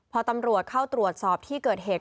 พอตำรวจเข้าตรวจสอบที่เกิดเหตุ